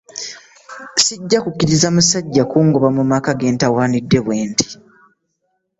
Sijja kukkiriza musajja kungoba mu maka ge ntawaanidde bwenti.